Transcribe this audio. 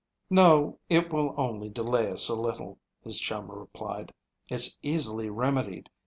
"No, it will only delay us a little," his chum replied. "It's easily remedied.